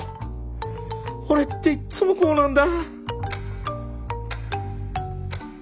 おれっていっつもこうなんだ！